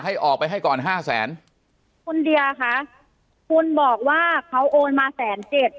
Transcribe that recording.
ให้ออกไปให้ก่อนห้าแสนคุณเดียค่ะคุณบอกว่าเขาโอนมาแสนเจ็ด